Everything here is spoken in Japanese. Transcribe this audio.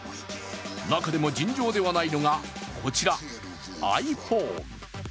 中でも尋常ではないのが、こちら、ｉＰｈｏｎｅ。